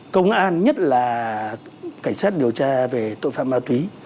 công an nhất là cảnh sát điều tra về tội phạm ma túy